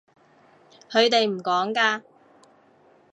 佢哋唔趕㗎